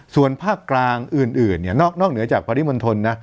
ส่วนภาคกลางอื่นนอกเหนือจากปริมณฑลนะ